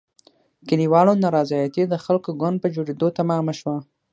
کلیوالو نارضایتي د خلکو ګوند په جوړېدو تمامه شوه.